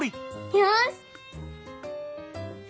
よし！